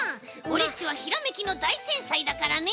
おれっちはひらめきのだいてんさいだからね。